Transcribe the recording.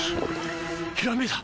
ひらめいた！